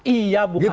iya bu adian